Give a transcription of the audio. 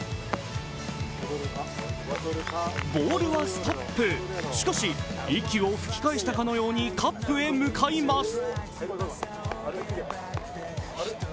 ストップ、しかし息を吹き返したかのようにカップに向かいます。